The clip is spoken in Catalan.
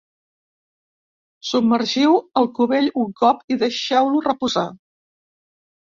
Submergiu el cubell un cop i deixeu-lo reposar.